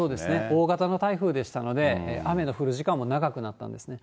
大型の台風でしたので、雨の降る時間も長くなったんですね。